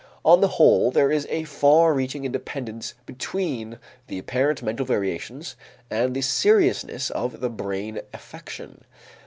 On the whole, there is a far reaching independence between the apparent mental variations and the seriousness of the brain affection.